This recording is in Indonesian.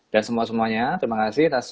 dan semuanya terima kasih